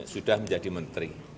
sudah menjadi menteri